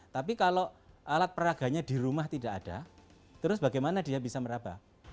tapi kalau alat peraganya di rumah tidak ada terus bagaimana dia bisa meraba